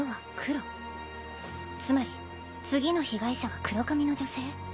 つまり次の被害者は黒髪の女性？